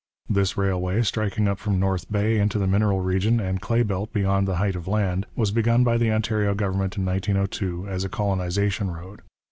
This railway, striking up from North Bay into the mineral region and clay belt beyond the height of land, was begun by the Ontario government in 1902 as a colonization road.